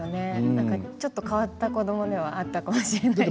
ちょっと変わった子どもではあったかもしれません。